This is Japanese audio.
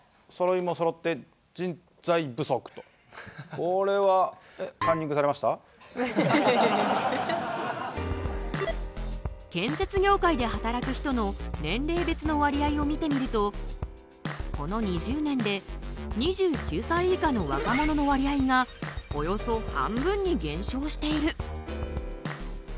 これは建設業界で働く人の年齢別の割合を見てみるとこの２０年で２９歳以下の若者の割合がおよそ半分に減少している。